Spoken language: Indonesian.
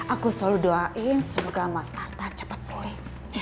aku selalu doain semoga mas harta cepat pulih